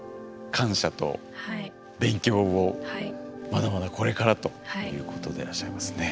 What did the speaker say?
まだまだこれからということでらっしゃいますね。